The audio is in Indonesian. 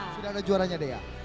sudah ada juaranya deh ya